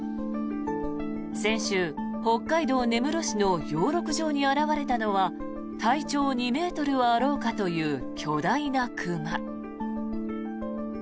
先週、北海道根室市の養鹿場に現れたのは体長２ｍはあろうかという巨大な熊。